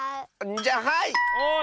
じゃあはい！